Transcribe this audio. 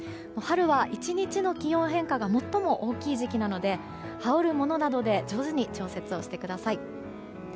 春は１日の気温変化が最も大きい時期なので羽織るものなどで上手に調節をしてください。